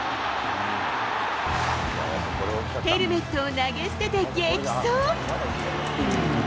ヘルメットを投げ捨てて激走。